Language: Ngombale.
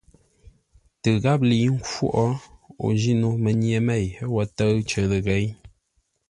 Tə gháp lə̌i khwóʼ, o ji no mənye mêi wo tə́ʉ cər ləghěi.